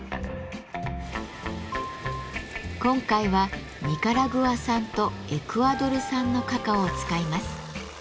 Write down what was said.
今回はニカラグア産とエクアドル産のカカオを使います。